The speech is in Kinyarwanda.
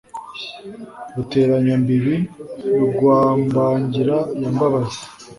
ruteranya-mbibi rwa mbangira ya mbabazi,